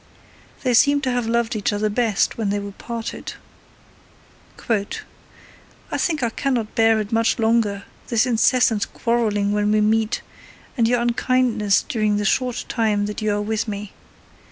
They seem to have loved each other best when they were parted. I think I cannot bear it much longer, this incessant quarrelling when we meet, and your unkindness during the short time that you are with me.